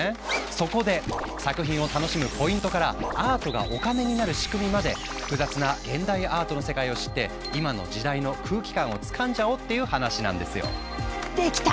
そこで作品を楽しむポイントからアートがお金になる仕組みまで複雑な現代アートの世界を知って今の時代の空気感をつかんじゃおうっていう話なんですよ。できた！